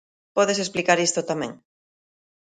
Podes explicar isto tamén?